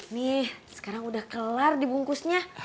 nih sekarang udah kelar dibungkusnya